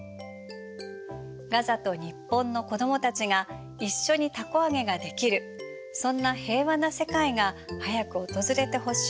ガザと日本の子供たちが一緒にたこ揚げができるそんな平和な世界が早く訪れてほしいと思います。